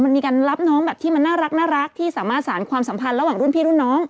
มันมีการรับน้องแบบที่มันน่ารักที่สามารถสารความสัมพันธ์ระหว่างรุ่นพี่รุ่นน้อง